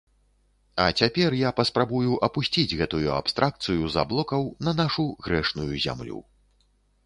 А цяпер я паспрабую апусціць гэтую абстракцыю з аблокаў на нашу грэшную зямлю.